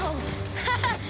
ハハハッ！